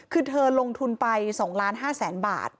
คือเธอลงทุนไป๒๕๐๐๐๐บาท